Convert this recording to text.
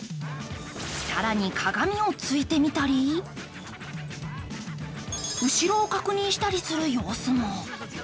更に鏡を突いてみたり、後ろを確認したりする様子も。